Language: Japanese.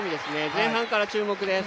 前半から注目です。